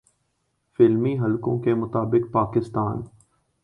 فلمی حلقوں کے مطابق پاکستان